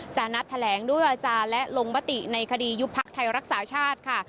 นัดแถลงด้วยอาจารย์และลงมติในคดียุบพักไทยรักษาชาติค่ะ